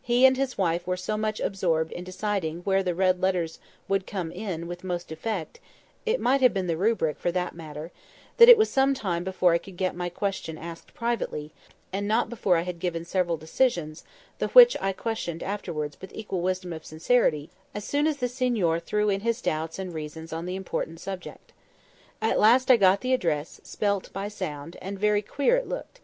He and his wife were so much absorbed in deciding where the red letters would come in with most effect (it might have been the Rubric for that matter), that it was some time before I could get my question asked privately, and not before I had given several decisions, the which I questioned afterwards with equal wisdom of sincerity as soon as the signor threw in his doubts and reasons on the important subject. At last I got the address, spelt by sound, and very queer it looked.